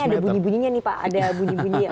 ada bunyi bunyinya nih pak ada bunyi bunyinya